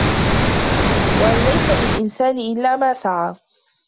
وأن ليس للإنسان إلا ما سعى